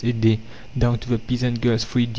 a day down to the peasant girl's 3d.